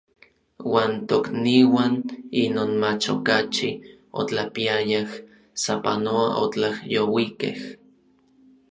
Uan tokniuan inon mach okachi otlapiayaj, sapanoa otlajyouikej.